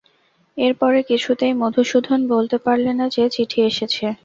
এর পরে কিছুতেই মধুসূদন বলতে পারলে না যে চিঠি এসেছে।